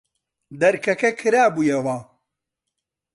دەرکەکە کرابوویەوە.